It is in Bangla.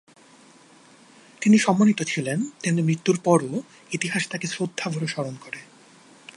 তিনি সম্মানিত ছিলেন, তেমনি মৃত্যুর পরও ইতিহাস তাকে শ্রদ্ধাভরে স্মরণ করে।